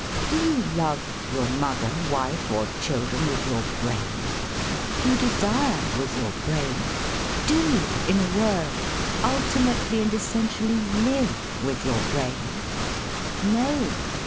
Do you love your mother, wife, or children with your brain? Do you desire with your brain? Do you, in a word, ultimately and essentially live with your brain? No.